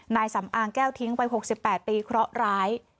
นายสำอางแก้วทิ้งวัย๖๘ปีเคราะห์ร้าย